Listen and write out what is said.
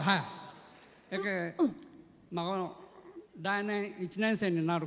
来年１年生になる。